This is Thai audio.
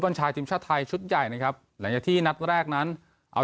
ชายทีมชาติไทยชุดใหญ่นะครับหลังจากที่นัดแรกนั้นเอา